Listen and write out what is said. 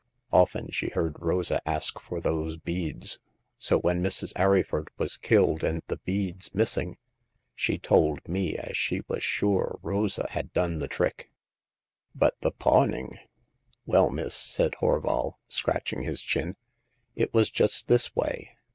Often she heard Rosa ask for those beads, so when Mrs. Arryford was killed and the beads missing she told me as she was sure Rosa had done the trick." But the pawning? *'" Well, miss," said Horval, scratching his chin, " it was just this way.